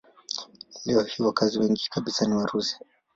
Leo hii wakazi wengi kabisa ni Warusi.